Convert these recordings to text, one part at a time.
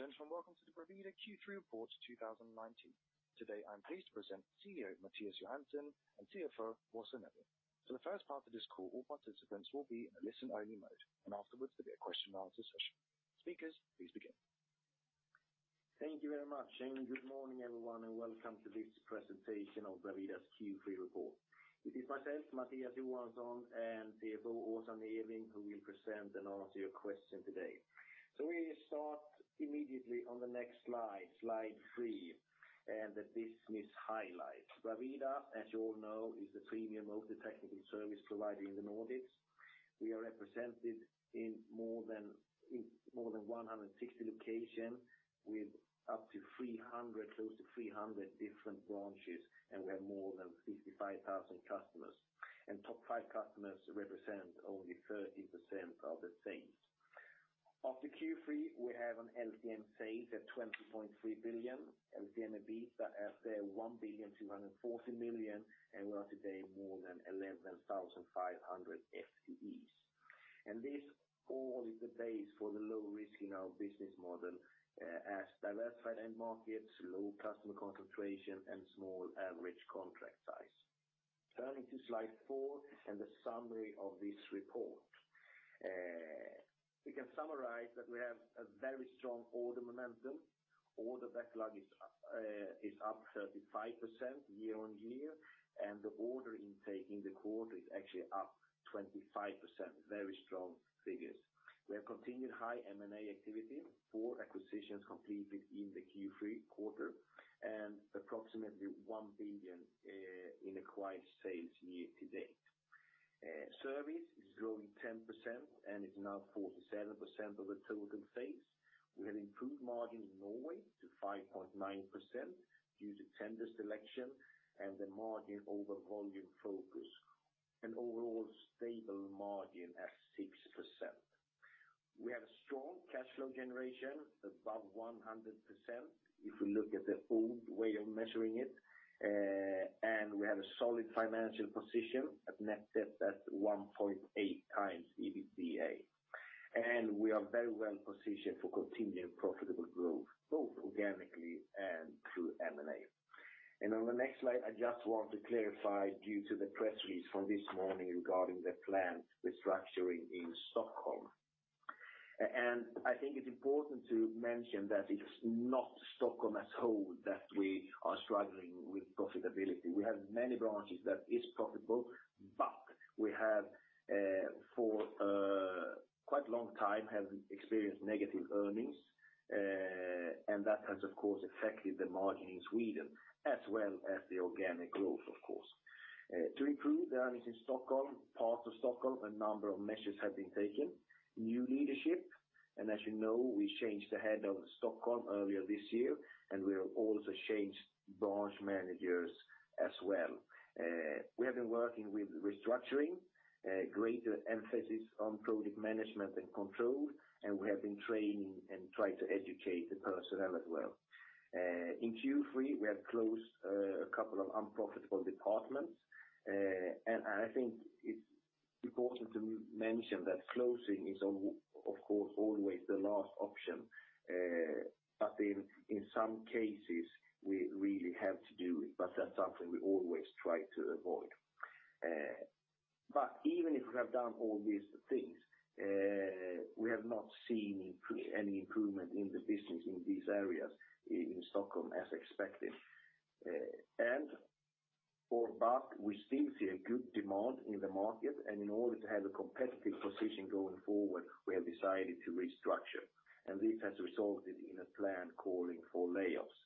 Ladies and gentlemen, welcome to the Bravida Q3 Report 2019. Today, I'm pleased to present CEO, Mattias Johansson, and CFO, Åsa Neving. For the first part of this call, all participants will be in a listen-only mode, and afterwards there'll be a question and answer session. Speakers, please begin. Thank you very much, and good morning, everyone, and welcome to this presentation of Bravida's Q3 report. This is myself, Mattias Johansson, and CFO, Åsa Neving, who will present and answer your question today. We start immediately on the next slide 3, and the business highlights. Bravida, as you all know, is the premium multi-technical service provider in the Nordics. We are represented in more than 160 locations, with up to 300, close to 300 different branches, and we have more than 55,000 customers. Top five customers represent only 30% of the sales. After Q3, we have an LTM sales at 20.3 billion, LTM EBITA at 1.24 billion, and we are today more than 11,500 FTEs. This all is the base for the low risk in our business model, as diversified end markets, low customer concentration, and small average contract size. Turning to slide four and the summary of this report. We can summarize that we have a very strong order momentum. Order backlog is up 35% year on year, and the order intake in the quarter is actually up 25%. Very strong figures. We have continued high M&A activity, four acquisitions completed in the Q3 quarter, and approximately 1 billion in acquired sales year to date. Service is growing 10% and is now 47% of the total sales. We have improved margin in Norway to 5.9% due to tender selection and the margin over volume focus, and overall stable margin at 6%. We have a strong cash flow generation, above 100%, if we look at the old way of measuring it. We have a solid financial position at net debt at 1.8x EBITDA. We are very well positioned for continued profitable growth, both organically and through M&A. On the next slide, I just want to clarify due to the press release from this morning regarding the planned restructuring in Stockholm. I think it's important to mention that it's not Stockholm as whole, that we are struggling with profitability. We have many branches that is profitable, but we have, for quite a long time, have experienced negative earnings, and that has, of course, affected the margin in Sweden as well as the organic growth, of course. To improve the earnings in Stockholm, parts of Stockholm, a number of measures have been taken. New leadership, as you know, we changed the head of Stockholm earlier this year, and we have also changed branch managers as well. We have been working with restructuring, greater emphasis on project management and control, and we have been training and trying to educate the personnel as well. In Q3, we have closed a couple of unprofitable departments, and I think it's important to mention that closing is of course, always the last option, but in some cases, we really have to do it, but that's something we always try to avoid. Even if we have done all these things, we have not seen any improvement in the business in these areas, in Stockholm as expected. We still see a good demand in the market, and in order to have a competitive position going forward, we have decided to restructure, and this has resulted in a plan calling for layoffs.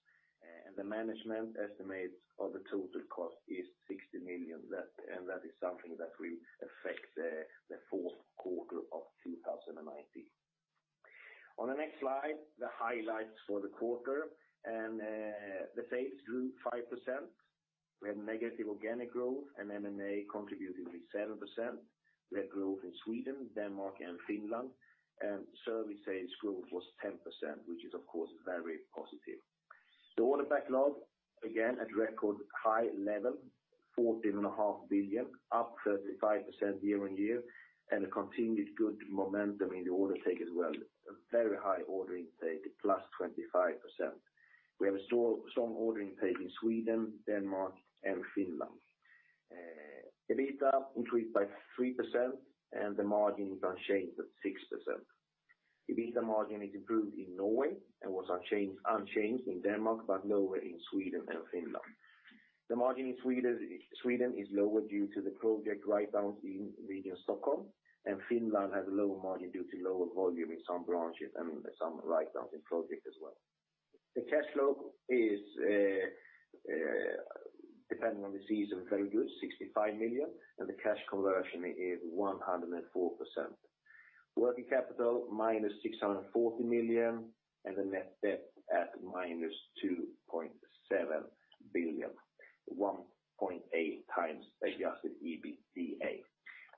The management estimates of the total cost is 60 million, and that is something that will affect the fourth quarter of 2019. On the next slide, the highlights for the quarter. The sales grew 5%. We had negative organic growth, and M&A contributed 7%. We had growth in Sweden, Denmark, and Finland, and service sales growth was 10%, which is, of course, very positive. The order backlog, again, at record high level, 14 and a half billion, up 35% year-on-year, and a continued good momentum in the order take as well. A very high order intake, +25%. We have a strong ordering pace in Sweden, Denmark, and Finland. EBITDA increased by 3%, and the margin is unchanged at 6%. EBITDA margin is improved in Norway and was unchanged in Denmark, but lower in Sweden and Finland. The margin in Sweden is lower due to the project write-downs in region Stockholm, and Finland has a lower margin due to lower volume in some branches and some write-downs in project as well. The cash flow is, depending on the season, very good, 65 million, and the cash conversion is 104%. Working capital, -640 million, and the net debt at -2.7 billion, 1.8x adjusted EBITDA.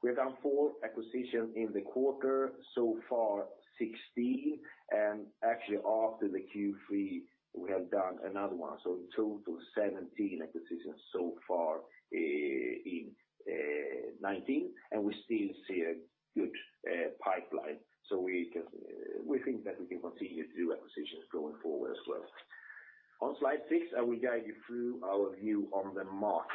We have done four acquisitions in the quarter, so far 16. Actually, after the Q3, we have done another one. In total, 17 acquisitions so far in 2019, we still see a pipeline, we can, we think that we can continue to do acquisitions going forward as well. On slide six, I will guide you through our view on the market.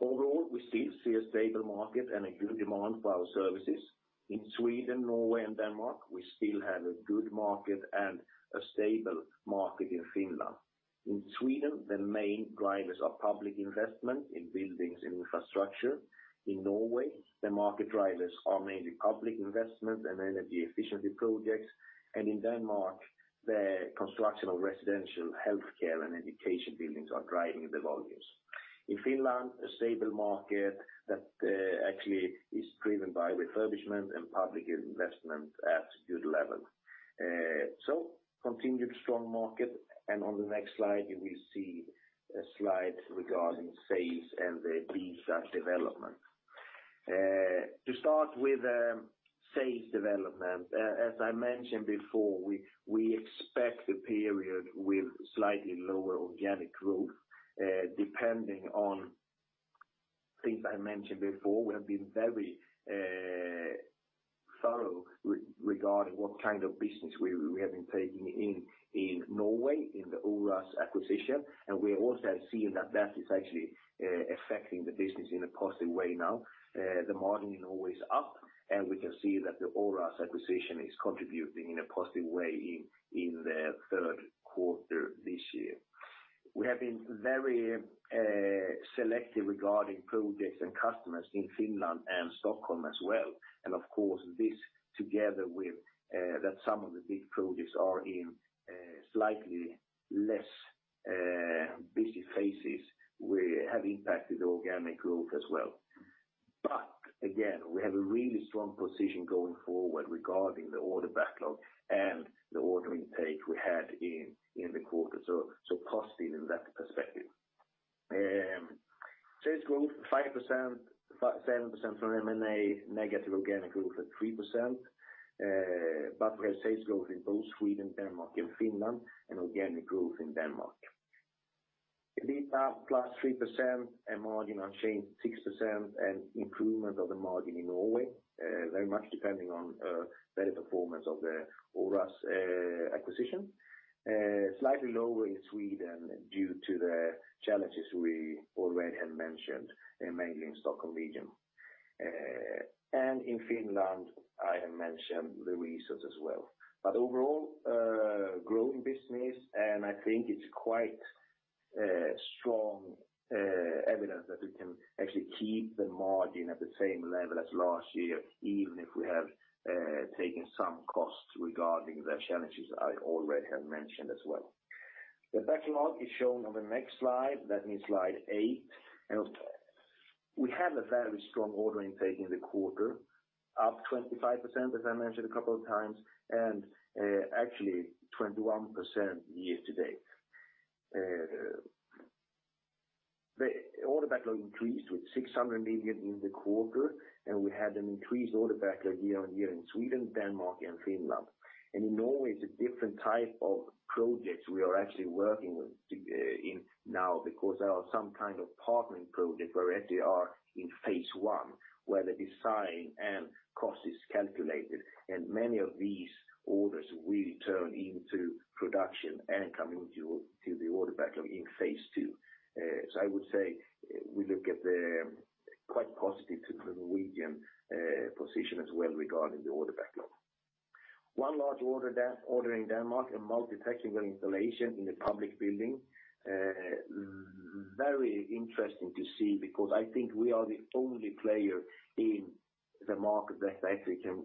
Overall, we still see a stable market and a good demand for our services. In Sweden, Norway, and Denmark, we still have a good market and a stable market in Finland. In Sweden, the main drivers are public investment in buildings and infrastructure. In Norway, the market drivers are mainly public investment and energy efficiency projects. In Denmark, the construction of residential healthcare and education buildings are driving the volumes. In Finland, a stable market that actually is driven by refurbishment and public investment at good level. Continued strong market, and on the next slide, you will see a slide regarding sales and the EBITDA development. To start with, sales development, as I mentioned before, we expect the period with slightly lower organic growth, depending on things I mentioned before. We have been very thorough regarding what kind of business we have been taking in Norway, in the Oras acquisition, and we are also seeing that that is actually affecting the business in a positive way now. The margin in Norway is up, and we can see that the Oras acquisition is contributing in a positive way in the third quarter this year. We have been very selective regarding projects and customers in Finland and Stockholm as well. This together with that some of the big projects are in slightly less busy phases, we have impacted the organic growth as well. We have a really strong position going forward regarding the order backlog and the order intake we had in the quarter, so positive in that perspective. Sales growth 5%, 5%-7% from M&A, negative organic growth at 3%, but we have sales growth in both Sweden, Denmark, and Finland, and organic growth in Denmark. EBITDA plus 3% and margin unchanged 6% and improvement of the margin in Norway, very much depending on better performance of the Oras acquisition. Slightly lower in Sweden due to the challenges we already have mentioned, mainly in Stockholm region. In Finland, I have mentioned the reasons as well. Overall, growing business, and I think it's quite strong evidence that we can actually keep the margin at the same level as last year, even if we have taken some costs regarding the challenges I already have mentioned as well. The backlog is shown on the next slide, that means slide eight. We had a very strong order intake in the quarter, up 25%, as I mentioned a couple of times, and actually 21% year to date. The order backlog increased with 600 million in the quarter, and we had an increased order backlog year-on-year in Sweden, Denmark, and Finland. In Norway, it's a different type of projects we are actually working with in now, because there are some kind of partnering projects where they are in phase one, where the design and cost is calculated, and many of these orders will turn into production and coming to the order backlog in phase two. I would say we look at the quite positive to the Norwegian position as well regarding the order backlog. One large order in Denmark, a multi-technical installation in a public building. Very interesting to see, because I think we are the only player in the market that actually can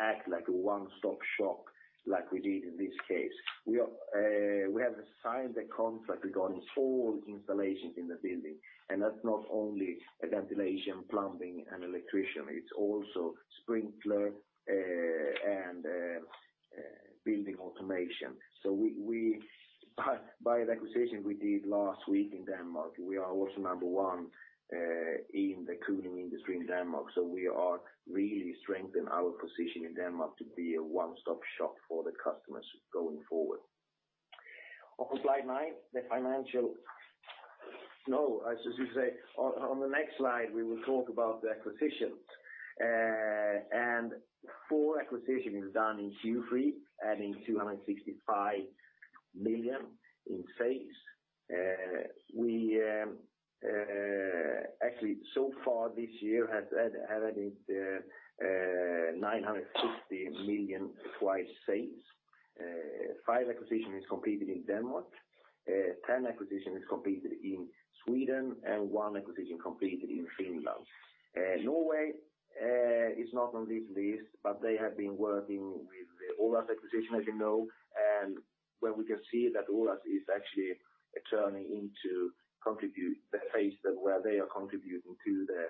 act like a one-stop shop, like we did in this case. We have signed a contract regarding all installations in the building, and that's not only a ventilation, plumbing, and electrician, it's also sprinkler, and building automation. By the acquisition we did last week in Denmark, we are also number one in the cooling industry in Denmark. We are really strengthening our position in Denmark to be a one-stop shop for the customers going forward. On slide 9, on the next slide, we will talk about the acquisitions. Four acquisitions done in Q3, adding 265 million in sales. Actually, so far this year has adding SEK 960 million twice sales. Five acquisitions completed in Denmark, 10 acquisitions completed in Sweden, and one acquisition completed in Finland. Norway is not on this list, but they have been working with the Oras acquisition, as you know, and when we can see that Oras is actually turning into contribute the phase that where they are contributing to the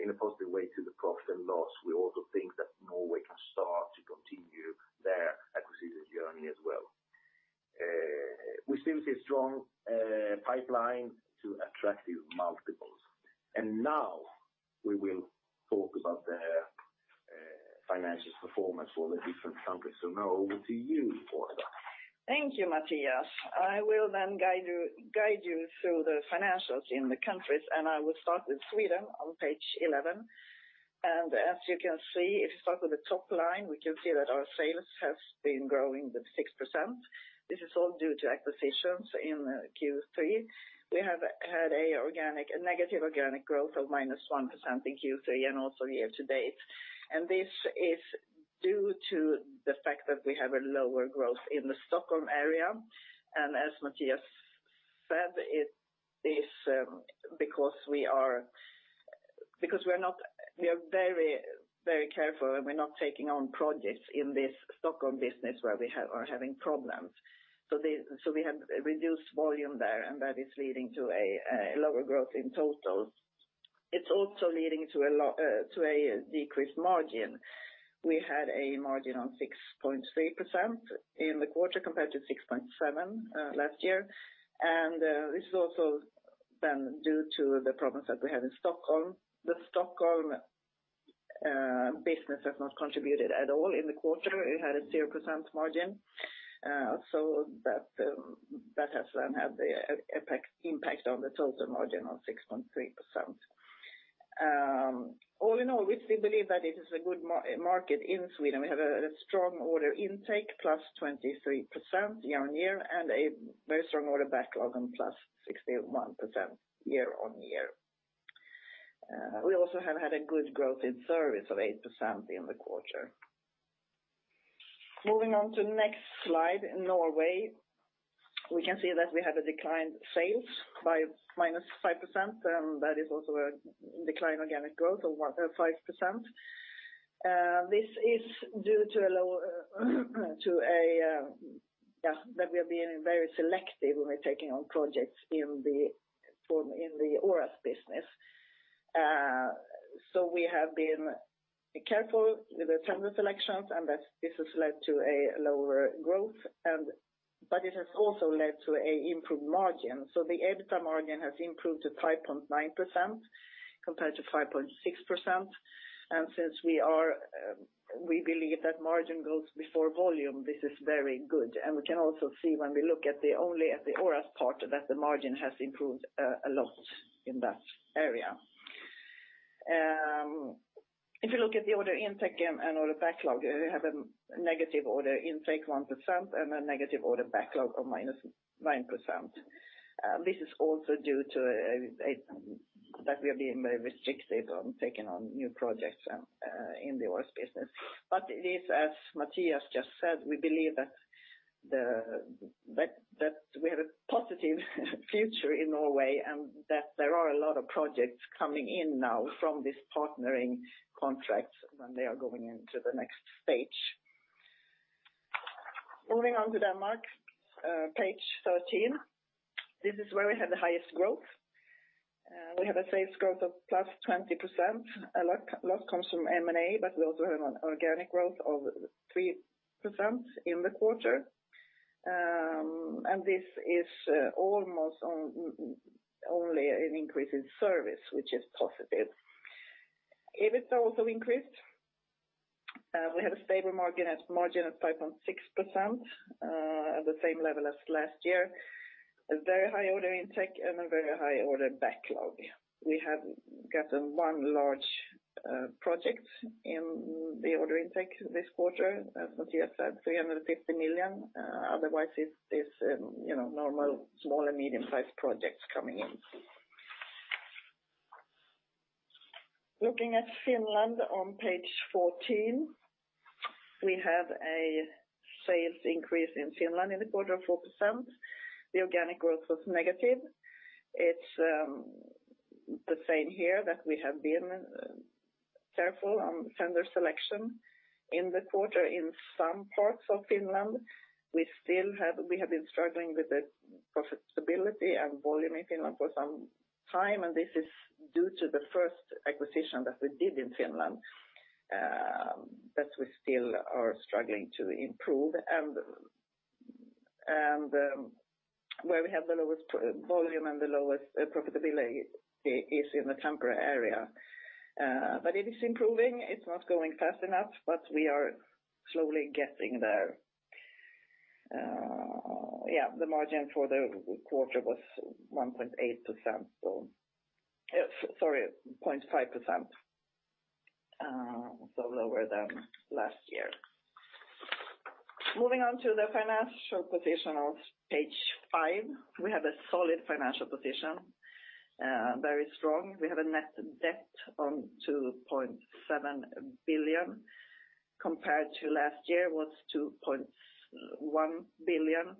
in a positive way to the profit and loss, we also think that Norway can start to continue their acquisition journey as well. We still see a strong pipeline to attractive multiples. Now we will talk about the financial performance for the different countries. Now over to you, Åsa. Thank you, Mattias. I will then guide you through the financials in the countries, and I will start with Sweden on page 11. As you can see, if you start with the top line, we can see that our sales has been growing with 6%. This is all due to acquisitions in Q3. We have had a negative organic growth of minus 1% in Q3 and also year-to-date. This is due to the fact that we have a lower growth in the Stockholm area. As Mattias said, it is because we are very, very careful, and we're not taking on projects in this Stockholm business where we are having problems. We have reduced volume there, and that is leading to a lower growth in total. It's also leading to a decreased margin. We had a margin on 6.3% in the quarter, compared to 6.7% last year. This is also then due to the problems that we have in Stockholm. The Stockholm business has not contributed at all in the quarter. It had a 0% margin. That has then had the effect, impact on the total margin of 6.3%. All in all, we still believe that it is a good market in Sweden. We have a strong order intake, +23% year-on-year, and a very strong order backlog on +61% year-on-year. We also have had a good growth in service of 8% in the quarter. Moving on to the next slide, in Norway, we can see that we had a declined sales by -5%, and that is also a decline organic growth of 5%. This is due to a lower, to a, yeah, that we are being very selective when we're taking on projects in the Oras business. We have been careful with the tender selections, and that this has led to a lower growth, and but it has also led to a improved margin. The EBITDA margin has improved to 5.9% compared to 5.6%. Since we are, we believe that margin goes before volume, this is very good. We can also see when we look at the, only at the Oras part, that the margin has improved a lot in that area. If you look at the order intake and order backlog, we have a negative order intake, 1%, and a negative order backlog of -9%. This is also due to that we are being very restricted on taking on new projects in the Oras business. It is, as Mattias just said, we believe that we have a positive future in Norway, and that there are a lot of projects coming in now from this partnering contract, and they are going into the next stage. Moving on to Denmark, page 13. This is where we have the highest growth. We have a sales growth of +20%. A lot comes from M&A, but we also have an organic growth of 3% in the quarter. This is only an increase in service, which is positive. EBITDA also increased. We had a stable margin at 5.6%, at the same level as last year, a very high order intake and a very high order backlog. We have gotten one large project in the order intake this quarter, as Mattias said, 350 million. Otherwise, it's this, you know, normal small and medium-sized projects coming in. Looking at Finland on page 14, we have a sales increase in Finland in the quarter of 4%. The organic growth was negative. It's the same here that we have been careful on tender selection in the quarter. In some parts of Finland, we still have been struggling with the profitability and volume in Finland for some time, and this is due to the first acquisition that we did in Finland, that we still are struggling to improve. Where we have the lowest volume and the lowest profitability is in the Tampere area. It is improving. It's not going fast enough, but we are slowly getting there. Yeah, the margin for the quarter was 1.8%, so... Sorry, 0.5%, lower than last year. Moving on to the financial position on page five, we have a solid financial position, very strong. We have a net debt on 2.7 billion, compared to last year was 2.1 billion.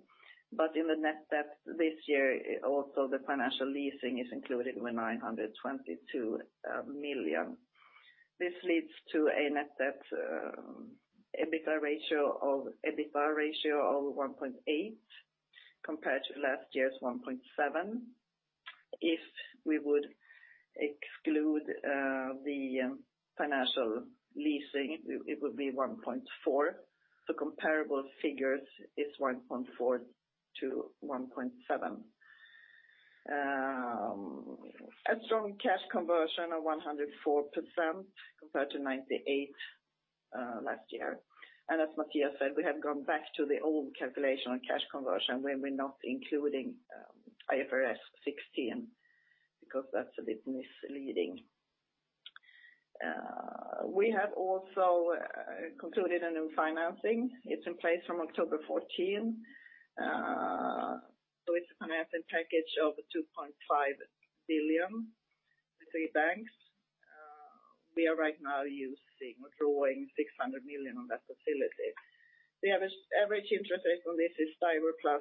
In the net debt this year, also the financial leasing is included with 922 million. This leads to a net debt EBITDA ratio of 1.8, compared to last year's 1.7. If we would exclude the financial leasing, it would be 1.4. The comparable figures is 1.4 to 1.7. A strong cash conversion of 104% compared to 98 last year. As Mattias said, we have gone back to the old calculation on cash conversion, where we're not including IFRS 16, because that's a bit misleading. We have also concluded a new financing. It's in place from October 14th. It's a financing package of 2.5 billion with 3 banks. We are right now using or drawing 600 million on that facility. We have a average interest rate on this is five plus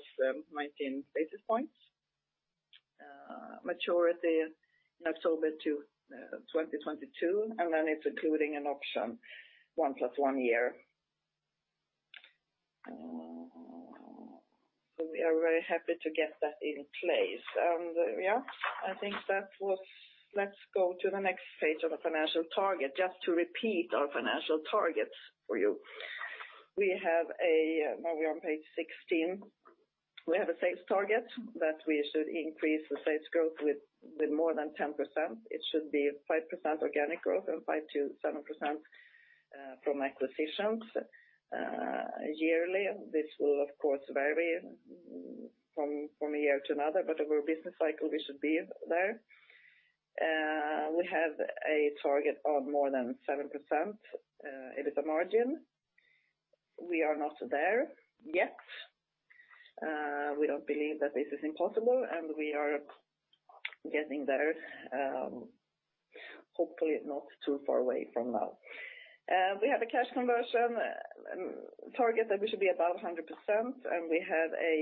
19 basis points. Maturity in October to 2022, and then it's including an option one plus one year. We are very happy to get that in place. I think let's go to the next page of the financial target, just to repeat our financial targets for you. We have now we're on page 16. We have a sales target that we should increase the sales growth with more than 10%. It should be 5% organic growth and 5%-7% from acquisitions yearly. This will, of course, vary from year to another, but over a business cycle, we should be there. We have a target of more than 7%. It is a margin. We are not there yet. We don't believe that this is impossible, and we are getting there, hopefully not too far away from now. We have a cash conversion target that we should be above 100%, and we have a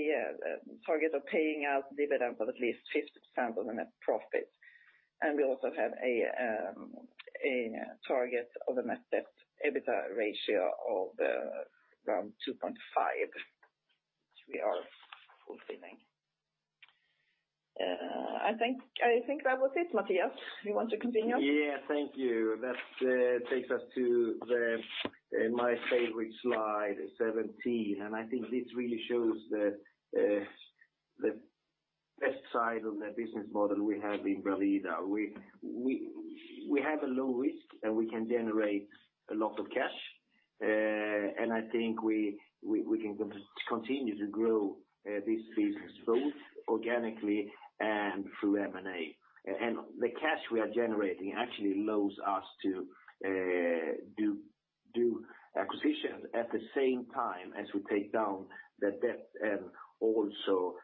target of paying out dividend of at least 50% of the net profit. We also have a target of a net debt EBITDA ratio of around 2.5, which we are fulfilling. I think that was it, Mattias. You want to continue? Yeah, thank you. That takes us to the, my favorite slide, 17. I think this really shows the best side of the business model we have in Bravida. We have a low risk, we can generate a lot of cash. I think we can continue to grow this business both organically and through M&A. The cash we are generating actually allows us to do acquisitions at the same time as we take down the debt and also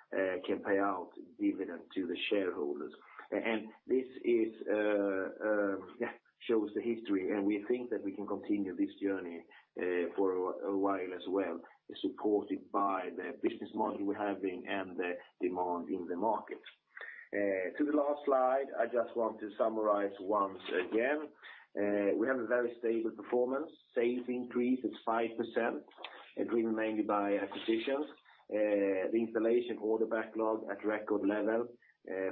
can pay out dividend to the shareholders. This is, yeah, shows the history, and we think that we can continue this journey for a while as well, supported by the business model we're having and the demand in the market. To the last slide, I just want to summarize once again. We have a very stable performance. Sales increase is 5%, driven mainly by acquisitions. The installation order backlog at record level,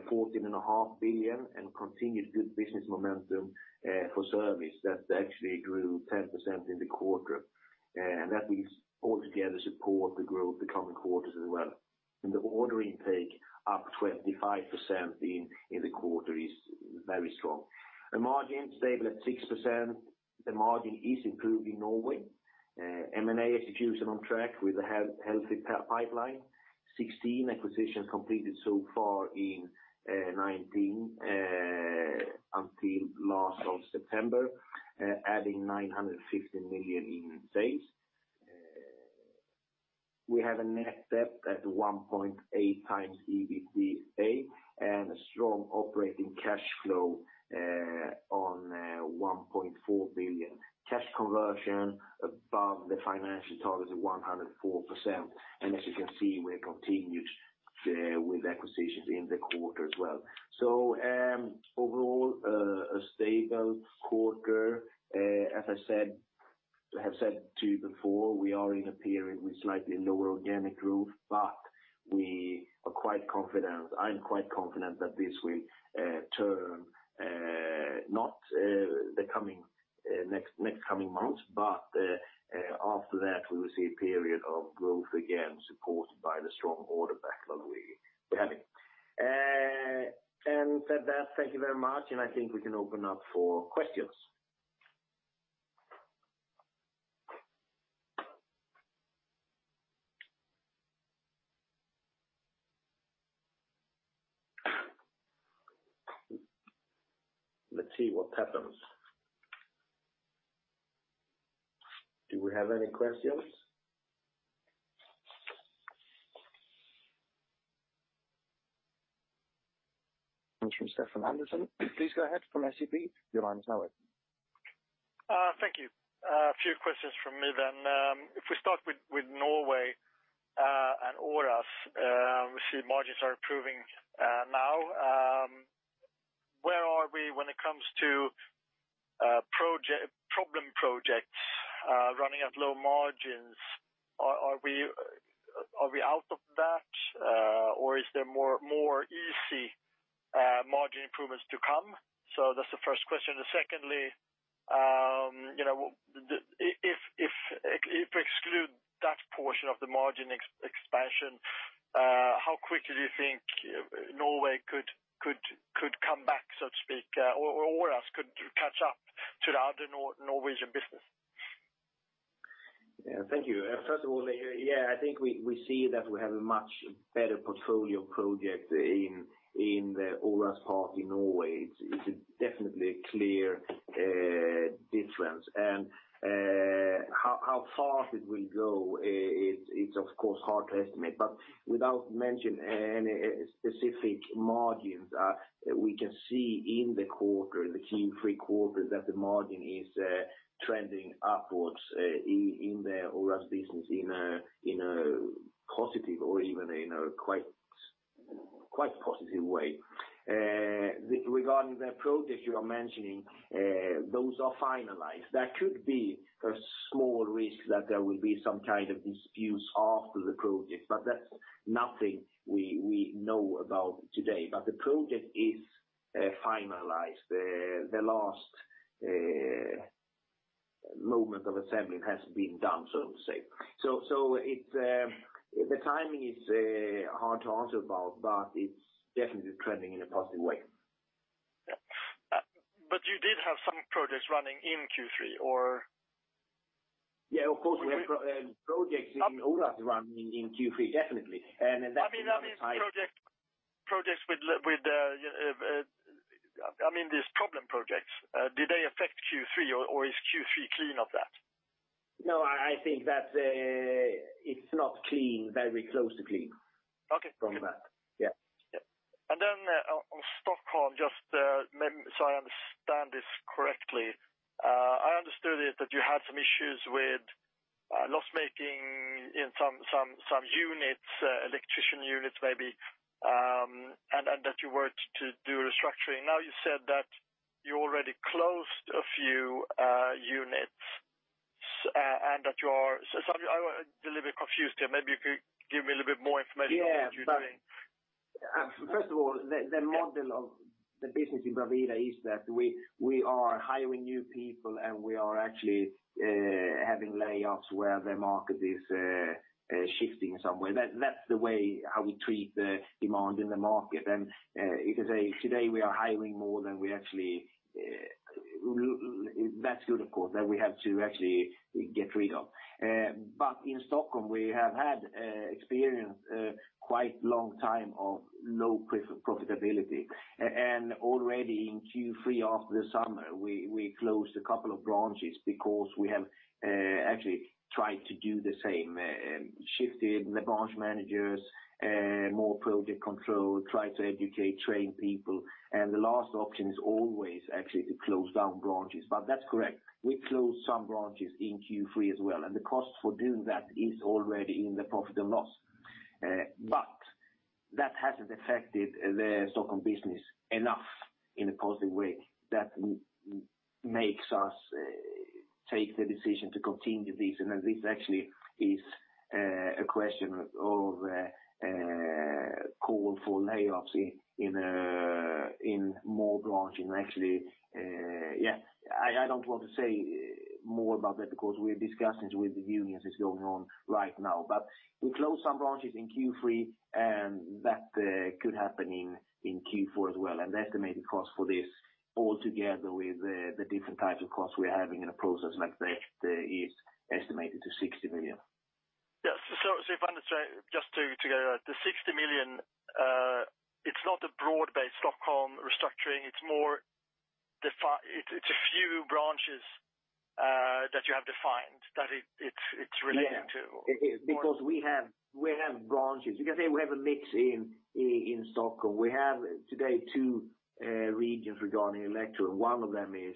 14.5 billion, and continued good business momentum for service. That actually grew 10% in the quarter. That will altogether support the growth the coming quarters as well. The order intake, up 25% in the quarter, is very strong. The margin, stable at 6%. The margin is improved in Norway. M&A execution on track with a healthy pipeline. 16 acquisitions completed so far in 2019 until last of September, adding 950 million in sales. We have a net debt at 1.8x EBITDA, and a strong operating cash flow, on 1.4 billion. Cash conversion above the financial target of 104%. As you can see, we're continued with acquisitions in the quarter as well. Overall, a stable quarter. As I said to you before, we are in a period with slightly lower organic growth, but we are quite confident, I'm quite confident that this will turn, not the coming next coming months, but, after that, we will see a period of growth again, supported by the strong order backlog we're having. With that, thank you very much, and I think we can open up for questions. Let's see what happens. Do we have any questions? From Stefan Andersson. Please go ahead, from SEB. Your line is now open. Thank you. A few questions from me then. If we start with Norway, and Oras, we see margins are improving, now. Where are we when it comes to, problem projects, running at low margins? Are we out of that, or is there more easy, margin improvements to come? That's the first question. Secondly, you know, if you exclude that portion of the margin ex-expansion, how quickly do you think, Norway could come back, so to speak, or us could catch up to the other Norwegian business? Thank you. First of all, I think we see that we have a much better portfolio project in the Oras part in Norway. It's definitely a clear difference. How fast it will go, it's of course hard to estimate. Without mentioning any specific margins, we can see in the quarter, in the Q3 quarter, that the margin is trending upwards in the Oras business, in a positive or even in a quite positive way. Regarding the project you are mentioning, those are finalized. There could be a small risk that there will be some kind of disputes after the project, but that's nothing we know about today. The project is finalized. The last moment of assembly has been done, so to say. It's the timing is hard to answer about, but it's definitely trending in a positive way. Yeah. You did have some projects running in Q3, or? Yeah, of course, we have projects in Oras running in Q3, definitely. That's I mean, projects with, I mean, these problem projects, did they affect Q3 or is Q3 clean of that? No, I think that it's not clean, very close to clean. Okay From that. Yeah. Yeah. On Stockholm, just, so I understand this correctly, I understood it, that you had some issues with loss-making in some units, electrician units, maybe, and that you were to do restructuring. Now, you said that you already closed a few units. I'm a little bit confused here. Maybe you could give me a little bit more information on what you're doing. Yeah. First of all, the model of the business in Bravida is that we are hiring new people, and we are actually having layoffs where the market is shifting somewhere. That's the way how we treat the demand in the market. You can say today we are hiring more than we actually. That's good, of course, that we have to actually get rid of. In Stockholm, we have had experience quite long time of low profitability. And already in Q3, after the summer, we closed a couple of branches because we have actually tried to do the same, shifted the branch managers, more project control, tried to educate, train people, and the last option is always actually to close down branches. That's correct. We closed some branches in Q3 as well, and the cost for doing that is already in the P&L. That hasn't affected the Stockholm business enough in a positive way. That makes us take the decision to continue this actually is a question of call for layoffs in more branching, actually. Yeah, I don't want to say more about that because we're discussing with the unions, is going on right now. We closed some branches in Q3, that could happen in Q4 as well. The estimated cost for this, all together with the different types of costs we're having in a process like that, is estimated to 60 million. Yes. If I understand, just to go, the 60 million, it's not a broad-based Stockholm restructuring, it's more it's a few branches, that you have defined, that it's relating to? Yeah. We have branches. You can say we have a mix in Stockholm. We have today two regions regarding electrical. One of them is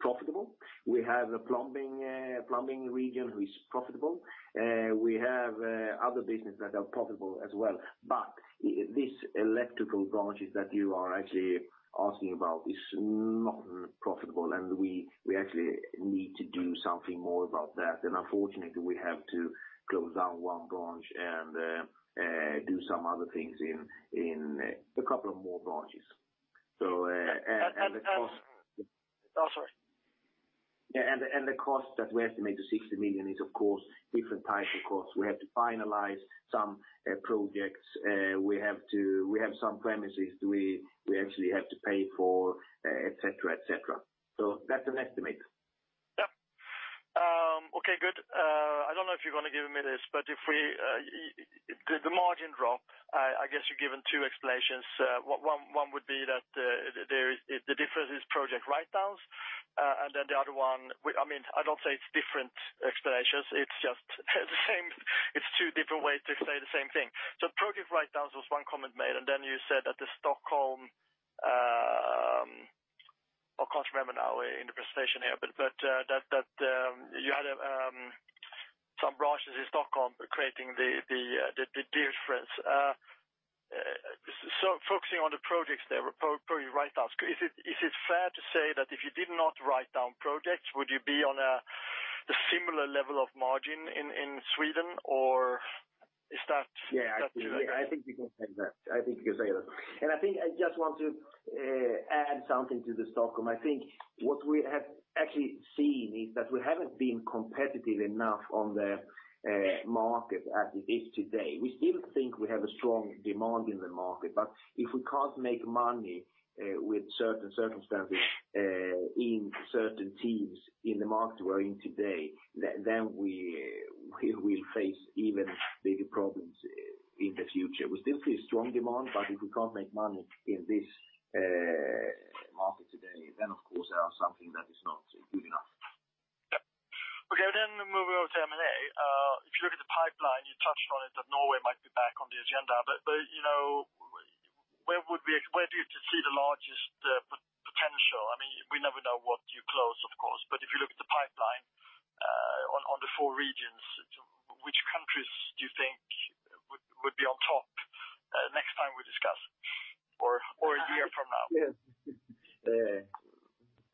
profitable. We have a plumbing region who is profitable, we have other businesses that are profitable as well. This electrical branches that you are actually asking about is not profitable, and we actually need to do something more about that. Unfortunately, we have to close down one branch and do some other things in a couple of more branches. The cost- Oh, sorry. The cost that we estimate to 60 million is, of course, different types of costs. We have to finalize some projects, We have some premises we actually have to pay for, et cetera, et cetera. That's an estimate. Yep. Okay, good. I don't know if you're going to give me this, but if we, the margin drop, I guess you're given two explanations. One would be that the difference is project write-downs, and then the other one, I mean, I don't say it's different explanations, it's just the same. It's two different ways to say the same thing. Project write-downs was one comment made, and then you said that the Stockholm, I can't remember now in the presentation here, but, that you had some branches in Stockholm creating the difference. Focusing on the projects there, project write-downs, is it fair to say that if you did not write down projects, would you be on a similar level of margin in Sweden, or? Yeah, I think you can say that. I think you can say that. I think I just want to add something to the Stockholm. I think what we have actually seen is that we haven't been competitive enough on the market as it is today. We still think we have a strong demand in the market, but if we can't make money with certain circumstances, in certain teams in the market we're in today, then we will face even bigger problems in the future. We still see strong demand, but if we can't make money in this market today, then of course, there are something that is not good enough. Yeah. Okay, moving on to M&A. If you look at the pipeline, you touched on it, that Norway might be back on the agenda. You know, where do you see the largest potential? I mean, we never know what you close, of course, but if you look at the pipeline, on the four regions, which countries do you think would be on top next time we discuss or a year from now?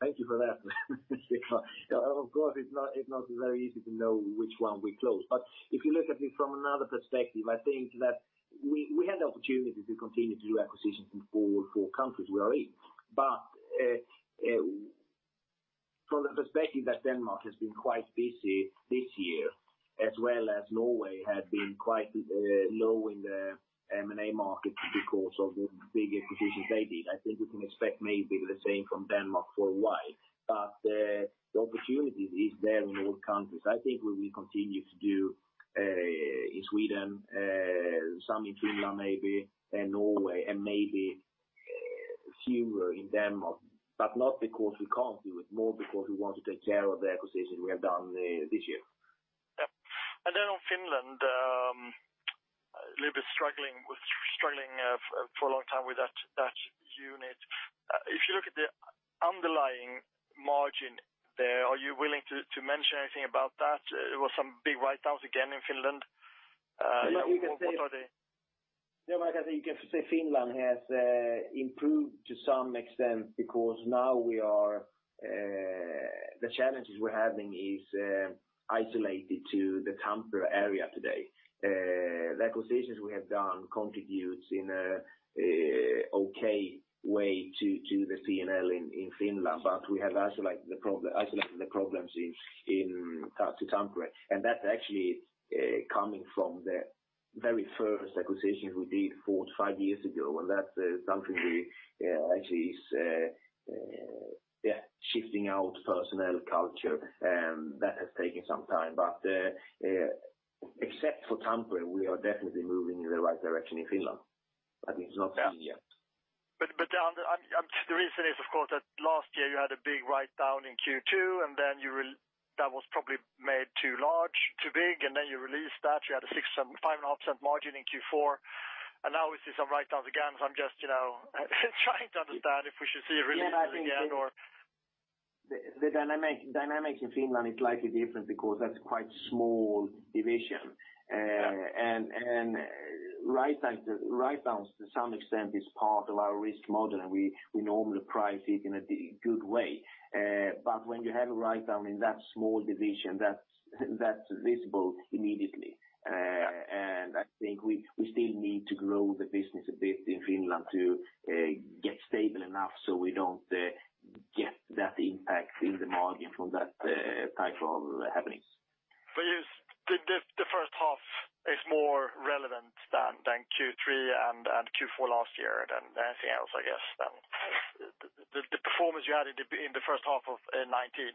Thank you for that. Of course, it's not very easy to know which one we close. If you look at it from another perspective, I think that we had the opportunity to continue to do acquisitions in four countries we are in. From the perspective that Denmark has been quite busy this year, as well as Norway had been quite low in the M&A market because of the big acquisitions they did, I think we can expect maybe the same from Denmark for a while. The opportunity is there in all countries. I think we will continue to do in Sweden, some in Finland maybe, and Norway, and maybe few in Denmark, but not because we can't do it, more because we want to take care of the acquisitions we have done this year. Yeah. Then on Finland, a little bit struggling for a long time with that unit. If you look at the underlying margin there, are you willing to mention anything about that? There were some big write-downs again in Finland, what are the? Yeah, I think you can say Finland has improved to some extent because now we are. The challenges we're having is isolated to the Tampere area today. The acquisitions we have done contributes in a okay way to the P&L in Finland, but we have isolated the problems to Tampere. That's actually coming from the very first acquisition we did four-five years ago, and that's something we actually is, yeah, shifting out personnel culture that has taken some time. Except for Tampere, we are definitely moving in the right direction in Finland, but it's not seen yet. The reason is, of course, that last year you had a big write-down in Q2. Then that was probably made too large, too big, then you released that. You had a 6% and 5.5% margin in Q4. Now we see some write-downs again. I'm just, you know, trying to understand if we should see a release in the end. The dynamic in Finland is slightly different because that's quite small division. Write-downs to some extent is part of our risk model, and we normally price it in a good way. When you have a write-down in that small division, that's visible immediately. I think we still need to grow the business a bit in Finland to get stable enough so we don't get that impact in the margin from that type of happenings. Yes, the first half is more relevant than Q3 and Q4 last year than anything else, I guess, then. The performance you had in the first half of 2019,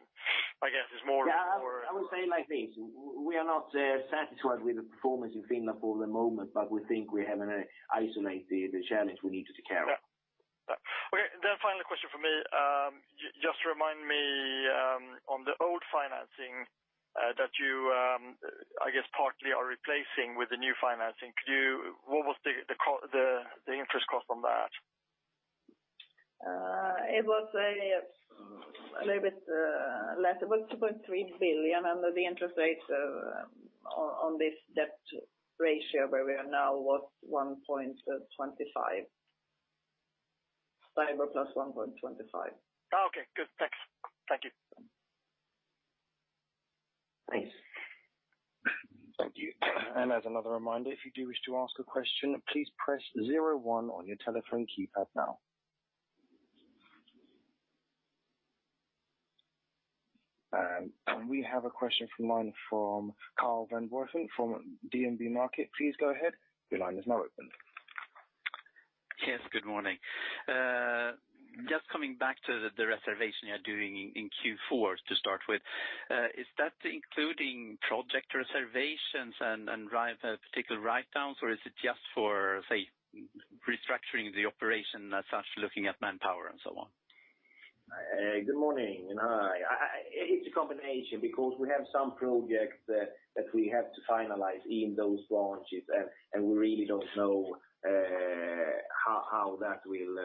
I guess, is more. Yeah, I would say like this: we are not satisfied with the performance in Finland for the moment, but we think we have an isolate the challenge we need to take care of. Yeah. Yeah. Okay, final question for me. Just remind me on the old financing that you I guess partly are replacing with the new financing. What was the interest cost on that? It was a little bit less. It was 2.3 billion, and the interest rates on this debt ratio where we are now, was 1.25%. STIBOR plus 1.25%. Okay, good. Thanks. Thank you. Thanks. Thank you. As another reminder, if you do wish to ask a question, please press 01 on your telephone keypad now. We have a question from line from Karl-Johan Bonnevier from DNB Markets. Please go ahead. Your line is now open. Yes, good morning. Just coming back to the reservation you're doing in Q4 to start with, is that including project reservations and drive, particular write-downs, or is it just for, say, restructuring the operation as such, looking at manpower and so on? Good morning, and hi. It's a combination because we have some projects that we have to finalize in those launches, and we really don't know how that will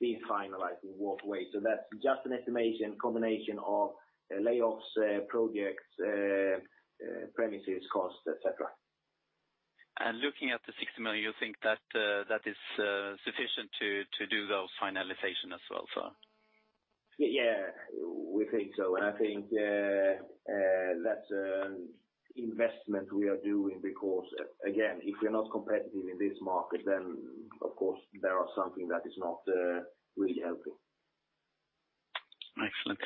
be finalized and what way. That's just an estimation, combination of layoffs, projects, premises, cost, et cetera. Looking at the 60 million, you think that is, sufficient to do those finalization as well, so? Yeah, we think so. I think that's an investment we are doing because, again, if you're not competitive in this market, then, of course, there are something that is not really helping. Excellent.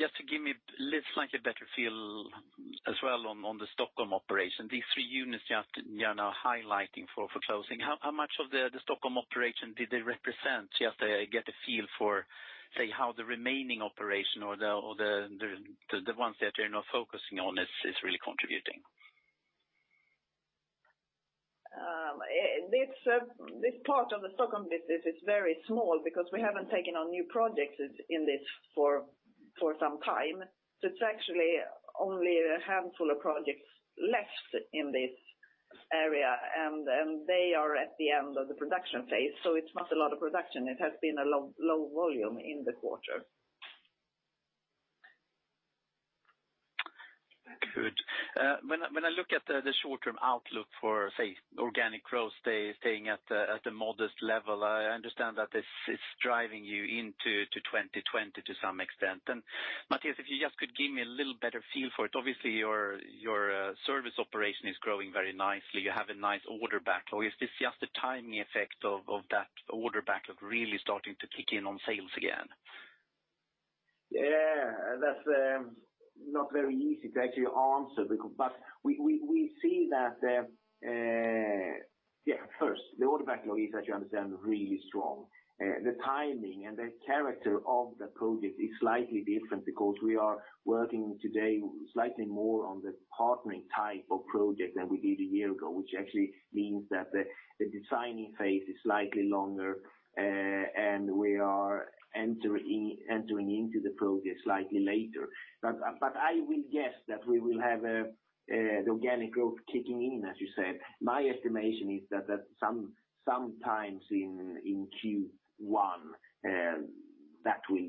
Just to give me a little slightly better feel as well on the Stockholm operation, these three units you have, you are now highlighting for closing. How much of the Stockholm operation did they represent? Just to get a feel for, say, how the remaining operation or the ones that you're now focusing on is really contributing. This part of the Stockholm business is very small because we haven't taken on new projects in this for some time. It's actually only a handful of projects left in this area, and they are at the end of the production phase, so it's not a lot of production. It has been a low volume in the quarter. Good. When I look at the short-term outlook for, say, organic growth, staying at a modest level, I understand that this is driving you into to 2020 to some extent. Mattias, if you just could give me a little better feel for it. Obviously, your service operation is growing very nicely. You have a nice order back, or is this just a timing effect of that order backlog really starting to kick in on sales again? That's not very easy to actually answer, because we see that yeah, first, the order backlog is, as you understand, really strong. The timing and the character of the project is slightly different because we are working today slightly more on the partnering type of project than we did a year ago, which actually means that the designing phase is slightly longer, and we are entering into the project slightly later. I will guess that we will have the organic growth kicking in, as you said. My estimation is that sometimes in Q1, that will,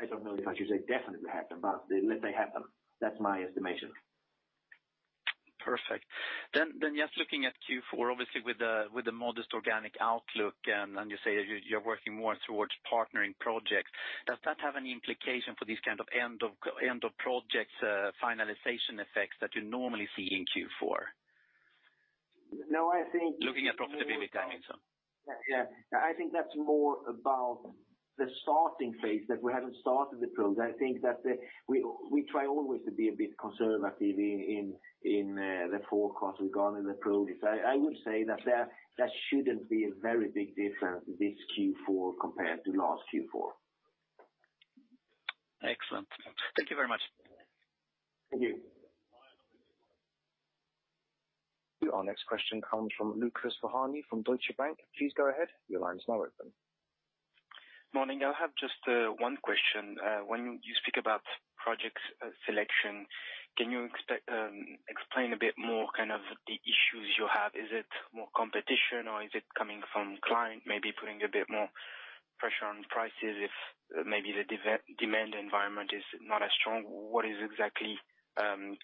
I don't know if I should say definitely happen, but let they happen. That's my estimation. Perfect. Then just looking at Q4, obviously with the modest organic outlook, and you say you're working more towards partnering projects, does that have any implication for these kind of end of projects, finalization effects that you normally see in Q4? No, I think- Looking at profitability timing, so. Yeah. I think that's more about the starting phase, that we haven't started the project. I think that we try always to be a bit conservative in the forecast regarding the projects. I would say that shouldn't be a very big difference, this Q4 compared to last Q4. Excellent. Thank you very much. Thank you. Our next question comes from Lukas Fuhrmann from Deutsche Bank. Please go ahead. Your line is now open. Morning. I have just one question. When you speak about project selection, can you explain a bit more, kind of the issues you have? Is it more competition or is it coming from client, maybe putting a bit more pressure on prices if maybe the demand environment is not as strong? What is exactly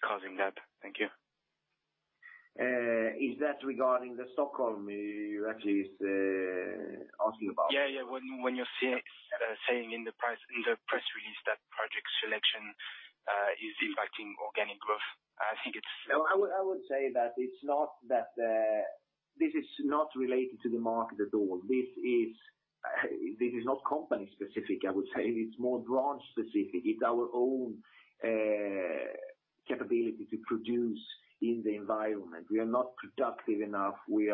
causing that? Thank you. Is that regarding the Stockholm you actually is asking about? Yeah, yeah. When you're saying in the press release that project selection is impacting organic growth, I think. No, I would say that it's not that. This is not related to the market at all. This is not company specific, I would say. It's more branch specific. It's our own capability to produce in the environment. We are not productive enough. We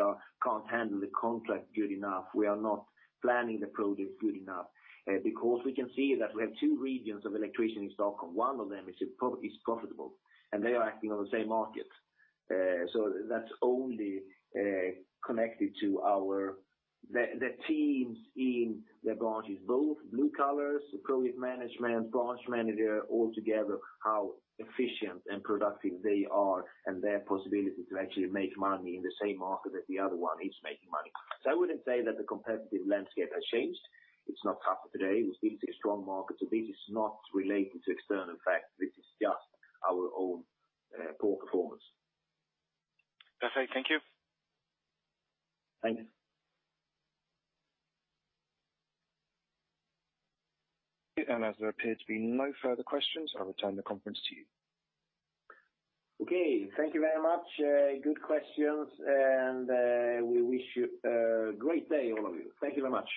can't handle the contract good enough. We are not planning the project good enough. Because we can see that we have two regions of electrician in Stockholm. One of them is profitable, and they are acting on the same market. That's only connected to the teams in the branches, both blue collars, project management, branch manager, all together, how efficient and productive they are and their possibility to actually make money in the same market as the other one is making money. I wouldn't say that the competitive landscape has changed. It's not tougher today. This is a strong market, so this is not related to external factors. This is just our own poor performance. Perfect. Thank you. Thank you. As there appear to be no further questions, I'll return the conference to you. Okay. Thank you very much. good questions, and we wish you a great day, all of you. Thank you very much.